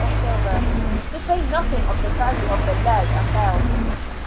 23 of silver, to say nothing of the value of the lead and bells.